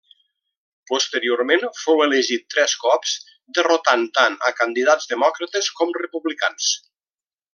Posteriorment, fou reelegit tres cops, derrotant tant a candidats demòcrates com republicans.